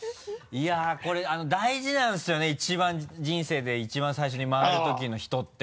いやぁこれ大事なんですよね一番人生で一番最初に回る時の人って。